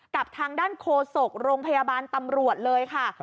กับทางด้านโคศกโรงพยาบาลตำรวจเลยค่ะ